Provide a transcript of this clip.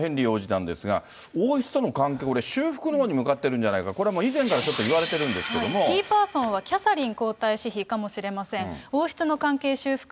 最新のヘンリー王子なんですが、王室との関係、これ、修復の方向に向かってるんじゃないかと、これ、以前からちょっとキーパーソンはキャサリン皇太子妃かもしれません。